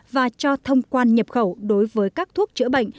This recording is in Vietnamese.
và cho thông quan nhập khẩu đối với các thuốc chữa bệnh